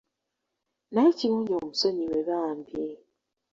Naye kirungi omusonyiwe bambi.